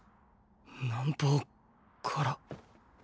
南方から？